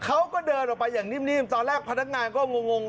เขาก็เดินออกไปอย่างนิ่มตอนแรกพนักงานก็งง